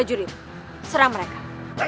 aku aku sudah jelek kanda